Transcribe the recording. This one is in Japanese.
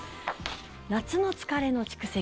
夏の疲れの蓄積。